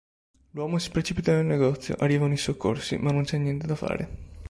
L'uomo si precipita nel negozio, arrivano i soccorsi ma non c'è niente da fare.